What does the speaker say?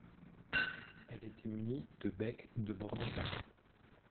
Elle était munie de becs de bord d'attaque.